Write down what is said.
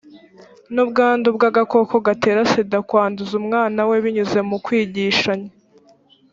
n ubwandu bw agakoko gatera sida kwanduza umwana we binyuze mu kwigishanya